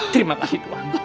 terima kasih tuan